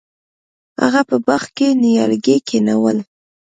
هغه په باغ کې نیالګي کینول.